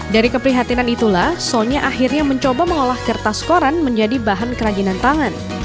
dari keprihatinan itulah sonya akhirnya mencoba mengolah kertas koran menjadi bahan kerajinan tangan